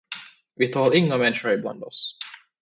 Vi tål inga människor ibland oss.